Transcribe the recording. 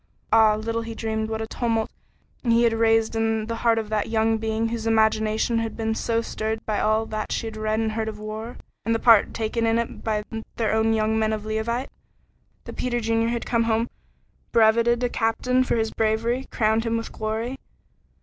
Ah, little he dreamed what a tumult he had raised in the heart of that young being whose imagination had been so stirred by all that she had read and heard of war, and the part taken in it by their own young men of Leauvite. That Peter Junior had come home brevetted a captain for his bravery crowned him with glory.